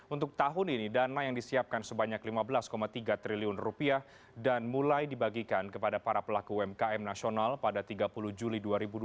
untuk tahun ini dana yang disiapkan sebanyak lima belas tiga triliun rupiah dan mulai dibagikan kepada para pelaku umkm nasional pada tiga puluh juli dua ribu dua puluh